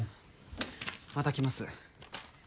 また来ます。